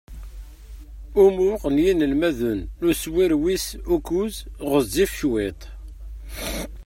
Umuɣ n yinelmaden n uswir wis ukkuẓ ɣezzif cwiṭ.